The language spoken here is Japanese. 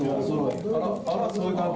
あらそういう関係？